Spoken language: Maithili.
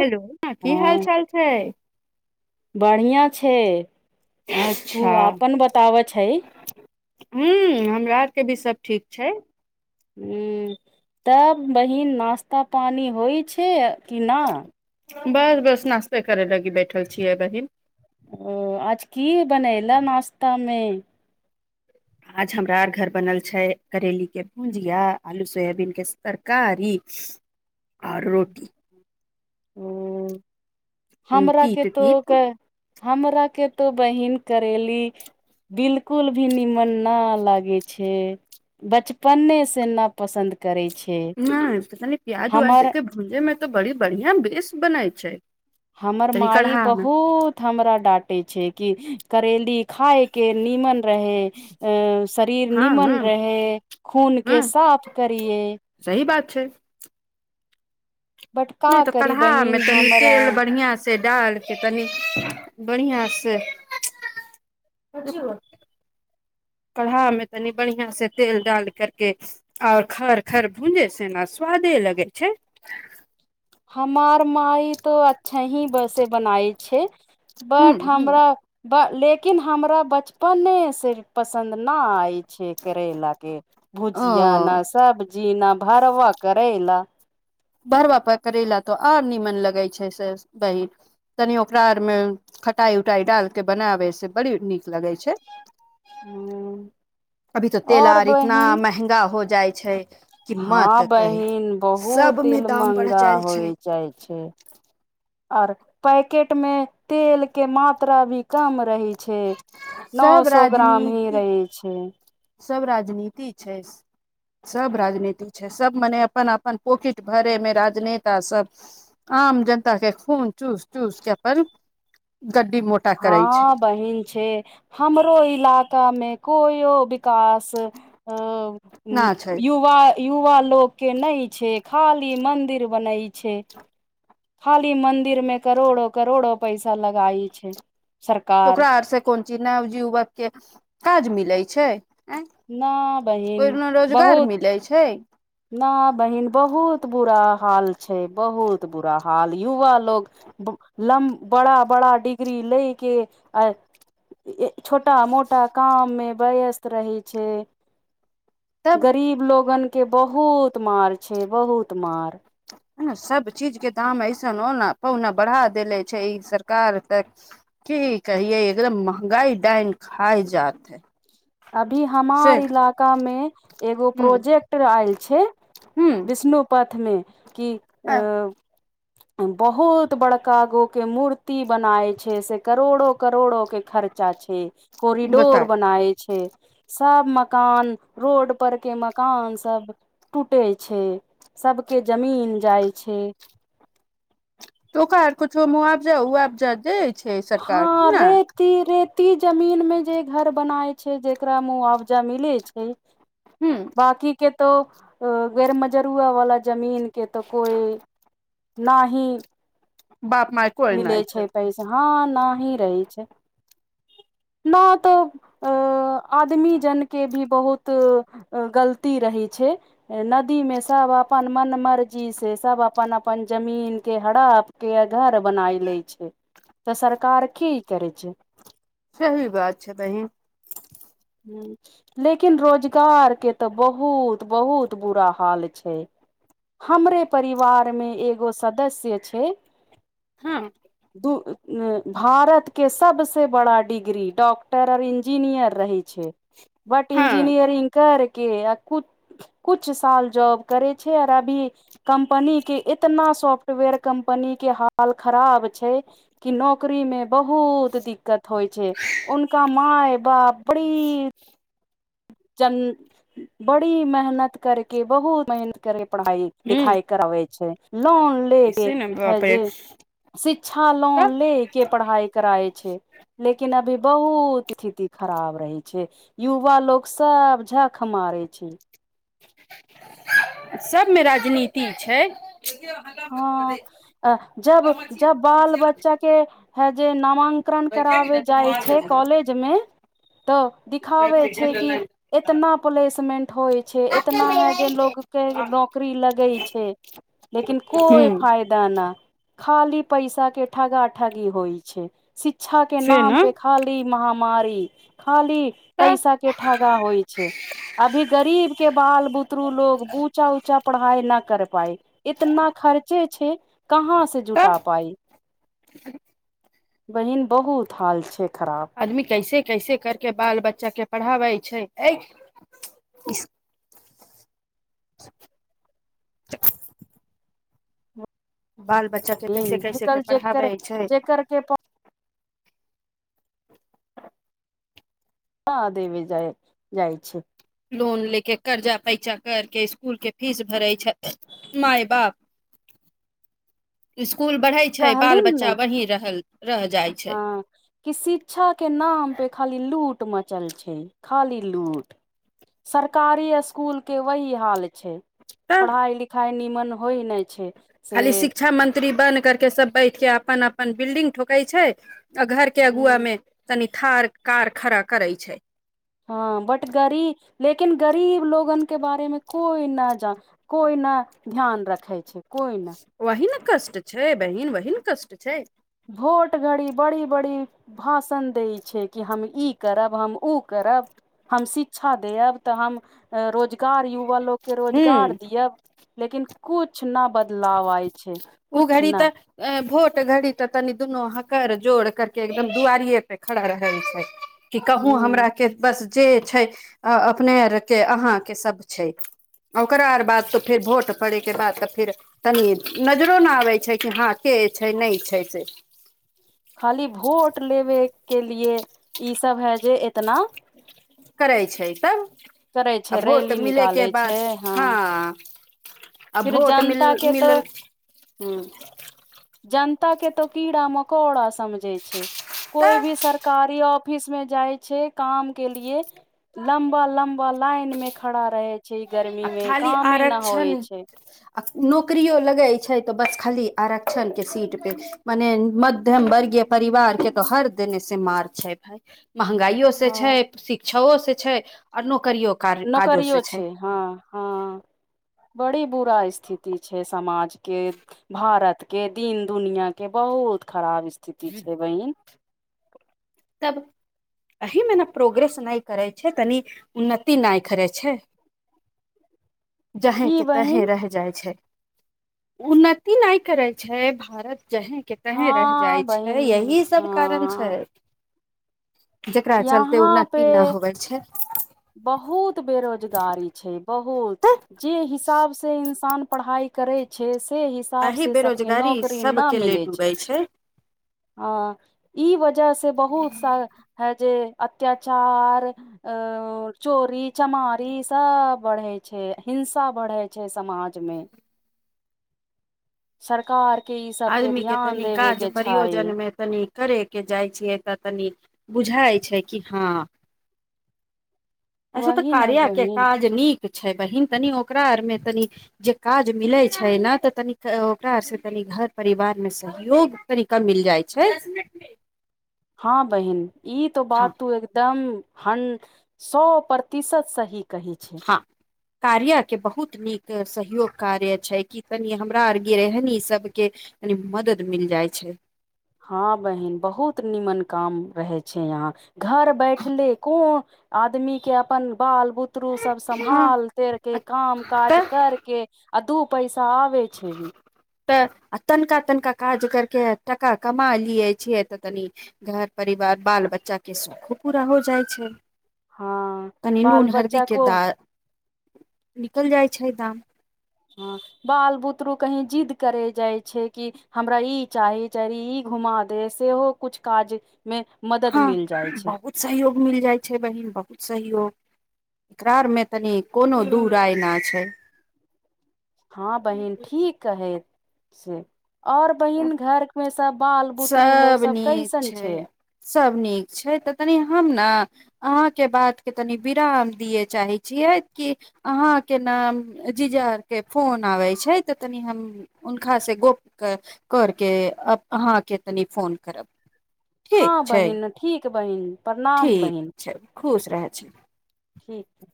हेलो ह की हाल हँ चाल छै बढ़िआँ छै तू अच्छा अपनन बताबै छै ह्म हमरा आरके भी सभ ठीक छै ह तब बहन नास्ता पानी होइ छै से किना बस बस नाश्ते करे लागी बैठल छियै बहिन ओ आज की बनैेल नास्तामे आज हमरा आर घर बनल छै करेलीके भुजिया आलू सोयाबीनके तरकारी आओर रोटी हू हम्म, हमरा के तीत तो तीत क हमरा के तो बहिन करेली बिलकुल भी निमन न लागे छै बचपने से न पसन्द करे छै न प्याज अ हमर जेके भुलै मे तऽ बड़ी बढ़िियां बेस बनै छै हमर तनि मााय कढ़हा मे बहुत हमरा डाँटे छै क करेली खााय के नीमन रहे अ शरीर हँ निमन हँ रह खून के हँ साफ करए सही बात छै बट नहि का तऽ करी काढ़ामे बहिन तनी हमरा तेल बढ़िआं से से डालके तनी बढ़िआँ से काढ़ामे तनि बढ़िआँसँ तेल डालि करि कऽ आओर खर खर भूँजै छै ने स्वादे लगै छै हमार माइ तो अचा छ बस बनाय छै ह बट ह हमरा लेकिन हमरा बचपने से पसन्द न अछि छै करैला के भुजिया ओ न सब्जी न भरब करैला बरबााप करैला तऽ आओर निमन लगै छै से बहन तनि ओकरा आरमे टाइ उटाई डाल के बनाबै से बड़ी नीक लगै छै ह अभी तऽ तेल और आर इतना बहिन महँगा हो जा जाइ छै कि माँ तऽ करी ओ तेल महगा होइ जाइ छै और पैकेट में तेल के मात्रा भी कम रहे छै छै नौ सब सौ ग्राम ही राजनीति रहै छै सब राजनीति छै सब राजनीति छै सब मने अपन अपन पॉकेट भरे मे राजनेता सब आम जनता के खून चूस चूसके अपन गड्डी मोटा करे छै हँ बहिन छै हमरो इलाका मे कोइयो विकास अ ना छै युवा युवा लोक के नहि छै खाली मंदिर बनै छै खाली मंन्दिर मे करोड़ो करोड़ो पैसा लगई छै सरकार ओकरा आर से कोन जे नवजुवक के काज मिलै छै आ न ओहिमे रोजगार मिलै छै न बहिन बहुत बुरा हाल छै बहुत बुरा हाल युवा लोग लम बड़ा बड़ा डिग्री लेइ के आ छोटा मोटा काम मे वयस्त रहै छै तब गरीब लोगन के बहुत मार छै बहुत मार हइ न सभ चीजके दाम ऐसन अउना पउना बढ़ा देेले छै ई सरकार तऽ की कहिये एकदम महगाई डइन खाय जात है अभी से हमार इलाका मे एगो हूँ प्रोजेक्ट आयल छै हूँ विष्णु पथमे कि आ ओ बहुत बड़का गो के मूर्ति बनाय छै से करोड़ो करोड़ो के खर्चा छै कोरिडोर बताय बनाए छै छै सब मकान रोड पर के मकान सब टूटे छै सबके जमीन जाइ छै तो ओकार कुछो मुआबजा उआबजा दै छै सरकार कि हँ नहि रेती रेती ती जमीन मे जे घर बनाय छै जेकरा मुआवजा मिले छै ह बकी के तो गैरमजरुआ वाला जमीन के तऽ कोइ नही बाप माय कोइ मिले नहि छै पैसा हँ नही रहै छै नइ तऽ आदमी जनके भी बहुत गलती रहै छै नदीमे सभ अपन मन मर्जी से सभ अपन अपन जमीनके हरप के घर बनाय लैय छै तऽ सरकार की करै छै सही बात छै बहिन ह लेकिन रोजगार के तऽ बहुत बहुत बुरा हाल छै हमरे परिवार मे एगो सदस्य छै हँ दू भारत के सबस बड़ा डिग्री डॉक्टर अर इंजीनियर रहै छै बट हँ इंजीनियरिंग कर के आ कुछ कुछ साल जॉब करे छै आऔर अभी कम्पनी के एतना सॉफ्टवेयर कम्पनी के हाल खराब छै कि नौकरी मे बहुत दिक्कत होइ छै उनका माय बाप बड़ी - जन बड़ी मेहनत करके बहुत मेहनत करके पढ़ाइ ह लिखाइ करबै छै लाँन ले के ऐसे ने बाप रे हेजे अच्छा तऽ लोन ले के पढ़ाइ कराए छै लेकिन अभी बहुत स्थिति खराब रहै छै यू यवा लोक सब झख मारे छै सबमे राजनीति छै हँ त जब जब बाल बच्चा के हे जे नाम नामांकन कराबे जाइ छै कॉलेज मे तऽ तब दिखाबै छै कि एतना प्लेसमेंट होइ छै छै इतना है जे लोग के नौकरी लगे छै लेकिन ह कोइ फायदा न खाली पैसा के ठगा ठगी होइ छै शिक्षा के से नाम ने पे खाली मह मारि खाली तऽ पैसा के ठगा होइ छै अभी गरीब के बाल बुतरु लोग उऊचा उऊचा पढ़ाई न कर पााय इतना खर्चे छै कहाँ से जुटा तऽ पाई बहिन बहुत हाल छै खराब आदमी कैसे कैसे करके बाल बच्चा के पढ़ाबै छै अ स्कूल बाल बच्चा के बहिन कैसे कैसे के आजकल पढ़ाबै जेकर छै जेकर के हँ देव जा जाइ छै लोन ले के कर्जा पैचा कर के स्कूल के फीस भरे छै मााय बाप स्कूल बढ़ै छै बाल कहलीन ने बच्चा वहीं रहल रह जाइ छै हँ कि शिक्षा के नाम पे खाली लूट मचल छै खाली लूट सरकारी स्कूल के वही हाल छै तब पढ़ाइ लिखाइ निमन होइ नहि छै से खाली शिक्षा मंत्री बन करके सब बैठ के अपन अपन बिल्डिंग ठोके छै आ घर के अगुआ ह में तनि ख कार खरा करै छै हँ बट गरी लेकेक लेकिन गरीब लोगन के बारे मे कोई न ज कोई न ध्यान रखे छै कोइ नहि वही ने कष्ट छै बहिन बहिन कष्ट छै भोट घड़ी बड़ी बड़ी भाषण दै छै कि हम ई करब हम ओ करब हम शिक्षा देब तऽ हम रोजगार गाड़ी वला युवा लोकके रोजगार हूँ दियौ लेकिन कुछ कछ न बदलाव आय छै ओ किुछ घड़ी न तऽ भोट घड़ी तऽ तनि दुनू हकर जोड़ करके एकदम दुआरिए पे खड़ा रहै छै क कहुँ ह हमरा के बस जे छै अपने आर के अहााँके सब छै ओकरा आर बाद तऽ फेर भोट पड़े के बाद तऽ फेर तनी नजरो नहि आबै छै कि हँ के छै नहि छै से खाली भोट लेबे के लिए ई सब है जे इतना करै छै तब करै आ छै भोट रैली मिले के निकालै बाद छै हँ आ फिर भोट मिल जनता के तो मिलल ह जनता के तो कीड़ा मकोड़ा समझे छै कोइ तऽ भी सरकारी आ ऑफिस में जाइ छै काम के लिए लम्बा लम्बा लाइन में खड़ा रहै छै गर्मी आ मे खाली कामे न आरक्षण होइ छै आ नौकरियो लगै छै तऽ बस खाली आरक्षण के सीट पे मने मध्यम वर्गीय परिवार के तऽ हर देने से मार छै भाय महगाइयो से हँ छै शिक्षाो से छै आओर नोक करियो काजो से छै हँ हँ बड़ी बुरा स्थिति छै समाजके भारतके दीिन दुनिआके बहुत खराब स्थिति छै बहिीन तब एहिहमे ने प्रोग्रेस नहि करै छै तनी उन्नति नहि करै छै जहें की के तहें बहिन र जाइ छै उन्नति नहि करै छै भारत जहें के तहें रहि हँ जाइ छै बहिन यही सब कारण छै हँ जेकरा चलते यहाँ पे उन्नति न होवे छै बहुत बेरोजगारी छै बहुत तऽ जे हिसाब से इन्सान पढ़ाइ करै छै से हिसाब एहि से सबके बेरोजगारी नौकरी न सबके ले मिलै छै डूबै हँ ई वजह से बहुत सा जे अत्यचार चोरी चमारी सब बढ़ै छै हिंसा बढ़ै छै समाज मे सरकार के ई सब पे आदमीके ध्यान तनि देबे काज के छै प्रयोजनमे तनि करयके जाइ छियै तऽ तनि बुझाइ छै कि हँ असे तऽ वही न करिया क बहिन काज नीक छै बहिन तनि ओकरा आर मे तनि जे काज मिलै छै ने तऽ तनी ओकरा आर से तनि घर परिवारमे सहयोग तरीका मिल जाइ छै हँ बहिन ई तो हँ बात तू एकदम हन ह सए प्रतिशत सही कहै छै हँ कार्यके बहुत नीक सहयोग कार्य छै कि तनि हमरा आर गिरहनी सभके कनि मदद मिल जाइ छै हँ बहिन बहुत नीमन काम रहै छै यहाँ घर बैठले को आदमीके अपन बाल बुतरु सब हँ सम्भाल तेर के काम काज तऽ करके आदू पैसा आबेै छय तऽ आ तनिका तनिका काज करि कऽ टाका कमा लियै छियै तऽ तनि घर परिवार बाल बच्चाके सुौखो पूरा हो जाइ छै हँ बाल बच्चा को निकलि जाइ छै दाम हँ बाल बुतरू कहीं जिद्द करे जाइ छै कि हमरा ई चाही चाह ई घुमा दे सेहो किुछु काज मे मदद हँ मिल जाइ छै बहुत सहयोग मिल जाइ छै बहिन बहुत सहयोग एकरा आारमे तनी कोनो दूर रयना छै हँ बहिन ठीक है से और बहिन घरमे सब नीक छै सभ नीक छै तऽ तनी हम ने अहाँके बातके तनि विराम दिै चाहै छियै कि अहाँके नाम जीजा के फोन आबैत छै तऽ तनि हम हुनकास से गप करके अहाँके तनी फोन करब ठीक हँ छै बहिन ठीक बहिन प्रणाम ठीक बहिन छै खुश रह [unintelligible] ठीक छै